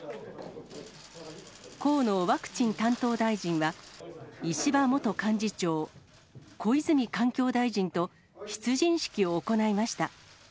河野ワクチン担当大臣は、石破元幹事長、小泉環境大臣と、出陣式を行いました。